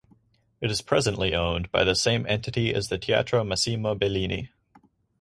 It is presently owned by the same entity as the Teatro Massimo Bellini.